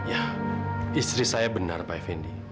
ya istri saya benar pak effendi